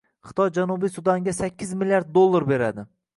Xitoy Janubiy Sudanga sakkiz milliard dollar beradi